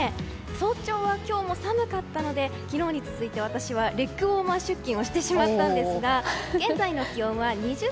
早朝は今日も寒かったので昨日に続いて私はレッグウォーマー出勤をしてしまったんですが現在の気温は２０．５度。